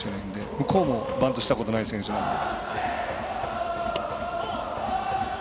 向こうもバントしたことない選手なんで。